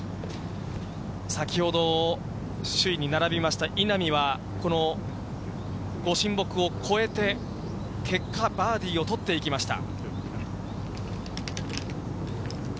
先ほど、首位に並びました稲見は、このご神木を越えて、結果、バーディーを取っていきました。